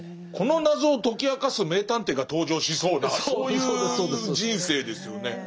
この謎を解き明かす名探偵が登場しそうなそういう人生ですよね。